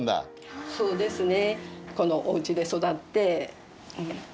そうですね。